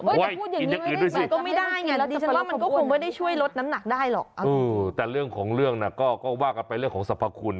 กินอย่างอื่นด้วยสิแต่เรื่องของเรื่องนะก็ว่ากันเป็นเรื่องของสรรพคุณ